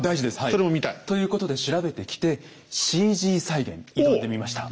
それも見たい。ということで調べてきてＣＧ再現挑んでみました。